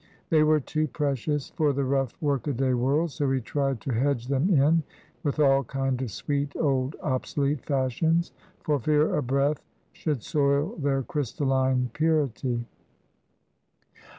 They were too precious for the rough workaday world, so he tried to hedge them in with all kind of sweet old obsolete fashions, for fear a breath should soil their crystalline purity.